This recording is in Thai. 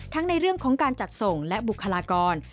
ในเรื่องของการจัดส่งและบุคลากร